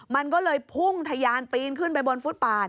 มันก็เลยพุ่งทะยานปีนขึ้นไปบนฟุตปาด